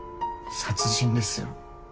殺人ですよ。